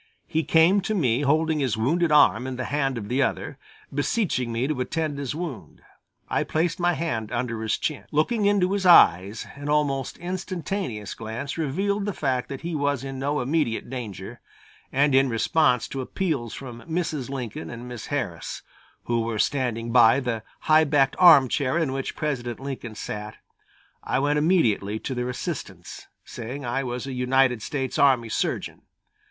He came to me holding his wounded arm in the hand of the other, beseeching me to attend to his wound. I placed my hand under his chin, looking into his eyes an almost instantaneous glance revealed the fact that he was in no immediate danger, and in response to appeals from Mrs. Lincoln and Miss Harris, who were standing by the high backed armchair in which President Lincoln sat, I went immediately to their assistance, saying I was a United States army surgeon.